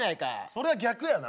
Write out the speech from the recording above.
それは逆やな。